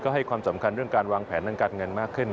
ให้ความสำคัญเรื่องการวางแผนทางการเงินมากขึ้น